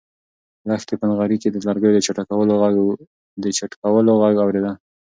لښتې په نغري کې د لرګیو د چټکولو غږ اورېده.